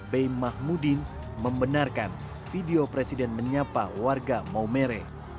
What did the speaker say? bey mahmudin membenarkan video presiden menyapa warga maumere